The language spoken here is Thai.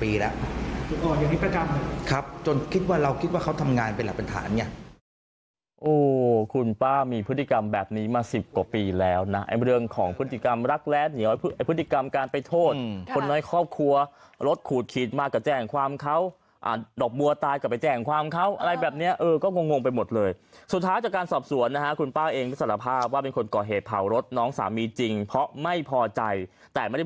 ป้ามีพฤติกรรมแบบนี้มาสิบกว่าปีแล้วนะเรื่องของพฤติกรรมรักและเหนียวพฤติกรรมการไปโทษคนน้อยครอบครัวรถขูดขีดมากับแจ้งความเขาอ่าดอกบัวตายกับแจ้งความเขาอะไรแบบเนี้ยเออก็งงงไปหมดเลยสุดท้ายจากการสอบสวนนะฮะคุณป้าเองไม่สารภาพว่าเป็นคนก่อเหตุเผารถน้องสามีจริงเพราะไม่พอใจแต่ไม่